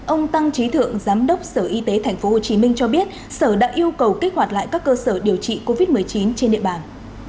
ông tăng trí thượng giám đốc sở y tế tp hcm cho biết sở đã yêu cầu kích hoạt lại các cơ sở điều trị covid một mươi chín trên địa bàn